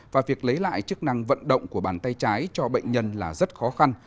và việc lấy lại chức năng vận động của bàn tay trái cho bệnh nhân là rất khó khăn